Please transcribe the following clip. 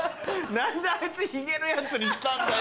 何であいつひげの奴にしたんだよ。